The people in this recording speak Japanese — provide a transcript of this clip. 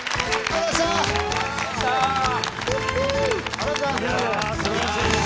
ありがとうございます。